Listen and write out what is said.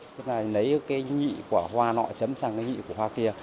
tức là lấy cái nhị của hoa nọ chấm sang cái nhị của hoa kia